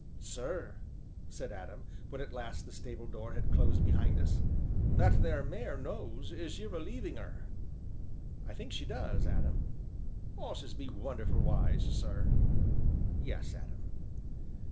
"Sir," said Adam, when at last the stable door had closed behind us, "that there mare knows as you're a leaving her." "I think she does, Adam." "'Osses be wonderful wise, sir!" "Yes, Adam."